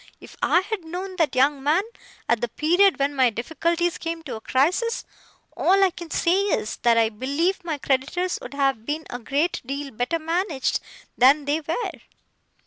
If I had known that young man, at the period when my difficulties came to a crisis, all I can say is, that I believe my creditors would have been a great deal better managed than they were.